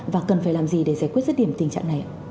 và cần phải làm gì để giải quyết dứt điểm tình trạng này